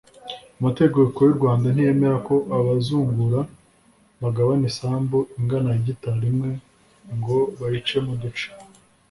amategeko y’u rwanda ntiyemera ko abazungura bagabana isambu ingana hegitari imwe ngo bayicemo uduce.